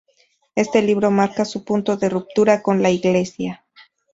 Este libro marca su punto de ruptura con la iglesia.